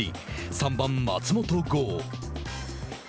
３番松本剛。